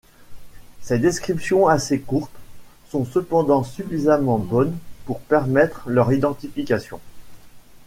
Ses descriptions, assez courtes, sont cependant suffisamment bonnes pour permettre leur identification.